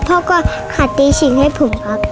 พ่อก็ขัดตีชิงให้ผมครับ